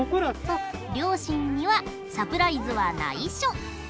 両親にはサプライズはないしょ。